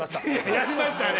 やりましたね